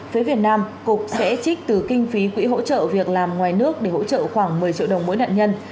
phía việt nam cục sẽ trích từ kinh phí quỹ hỗ trợ việc làm ngoài nước để hỗ trợ khoảng một mươi triệu đồng mỗi nạn nhân